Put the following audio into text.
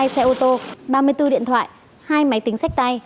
hai xe ô tô ba mươi bốn điện thoại hai máy tính sách tay